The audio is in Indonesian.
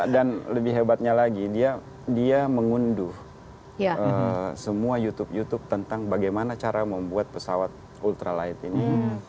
dan lebih hebatnya lagi dia mengunduh semua youtube youtube tentang bagaimana cara membuat pesawat ultralight ini